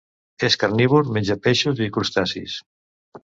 És carnívor: menja peixos i crustacis.